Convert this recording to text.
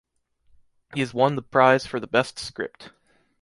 He has won the prize for the best script.